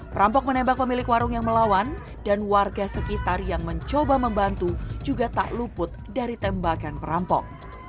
perampok menembak pemilik warung yang melawan dan warga sekitar yang mencoba membantu juga tak luput dari tembakan perampok